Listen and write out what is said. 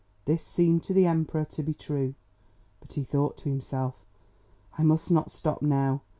This seemed to the Emperor to be true; but he thought to himself, "I must not stop now."